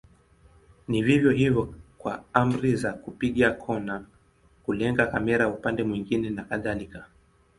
Ni vivyo hivyo kwa amri za kupiga kona, kulenga kamera upande mwingine na kadhalika.